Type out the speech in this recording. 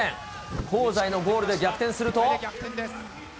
香西のゴールで逆転すると。